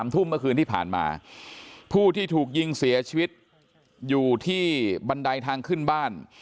ทุ่มเมื่อคืนที่ผ่านมาผู้ที่ถูกยิงเสียชีวิตอยู่ที่บันไดทางขึ้นบ้าน